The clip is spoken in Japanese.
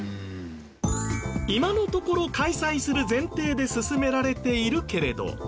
今のところ開催する前提で進められているけれど。